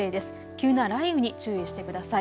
急な雷雨に注意してください。